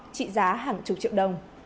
trị giá hàng chục triệu đồng